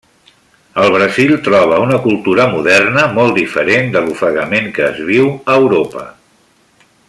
Al Brasil troba una cultura moderna, molt diferent de l'ofegament que es viu a Europa.